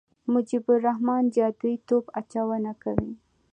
مجيب الرحمن جادويي توپ اچونه کوي.